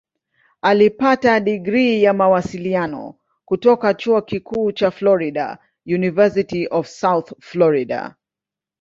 Alipata digrii ya Mawasiliano kutoka Chuo Kikuu cha Florida "University of South Florida".